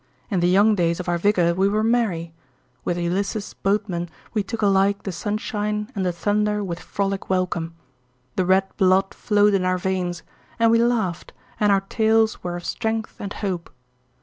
In the young days of our vigour we were merry. With Ulysses' boatmen, we took alike the sunshine and the thunder with frolic welcome. The red blood flowed in our veins, and we laughed, and our tales were of strength and hope.